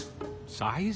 サイズ？